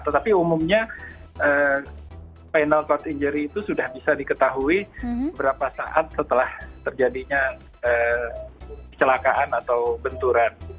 tetapi umumnya final cord injury itu sudah bisa diketahui beberapa saat setelah terjadinya kecelakaan atau benturan